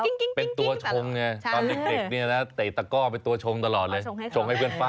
เป็นตัวชงไงตอนเด็กเนี่ยนะเตะตะก้อเป็นตัวชงตลอดเลยชงให้เพื่อนฝ้า